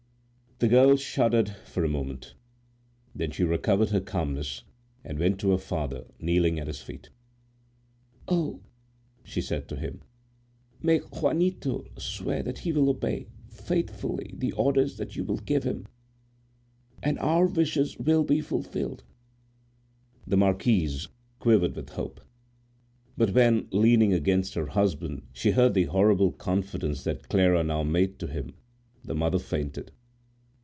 The girl shuddered for a moment; then she recovered her calmness, and went to her father, kneeling at his feet. "Oh!" she said to him, "make Juanito swear that he will obey, faithfully, the orders that you will give him, and our wishes will be fulfilled." The marquise quivered with hope. But when, leaning against her husband, she heard the horrible confidence that Clara now made to him, the mother fainted.